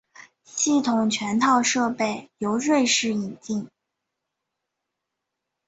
系统全套设备由瑞士引进。